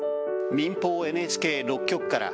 民放、ＮＨＫ６局から。